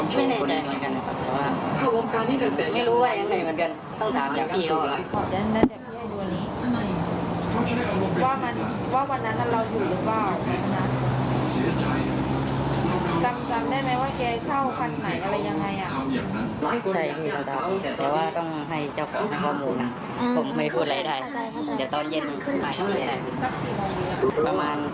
ผมไม่มีคนอะไรได้เดี๋ยวตอนเย็นไปที่นี่ได้ประมาณ๔๕โมงครับ